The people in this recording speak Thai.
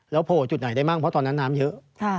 โผล่จุดไหนได้มั้งเพราะตอนนั้นน้ำเยอะ